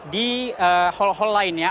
di hal hal lainnya